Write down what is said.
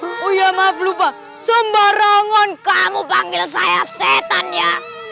oh ya maaf lupa sembarangon kamu panggil saya setan ya